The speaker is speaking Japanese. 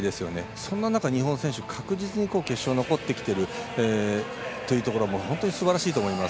そんな中、日本選手確実に決勝残ってきているというところも本当にすばらしいと思います。